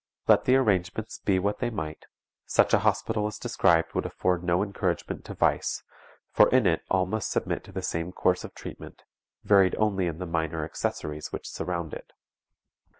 Let the arrangements be what they might, such a hospital as described would afford no encouragement to vice, for in it all must submit to the same course of treatment, varied only in the minor accessories which surround it.